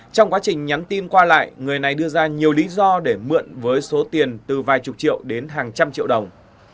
trong quá trình nhắn tin qua lại người này đưa ra nhiều lý do để mượn với số tiền từ vài chục triệu đến hàng trăm triệu đồng